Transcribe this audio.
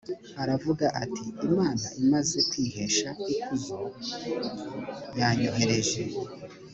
aravuga ati imana imaze kwihesha ikuzom yanyohereje